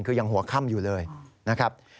คือยังหัวค่ำอยู่เลยนะครับ